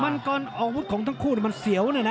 มันเกินอาวุธของทั้งคู่มันเสียวเลยนะ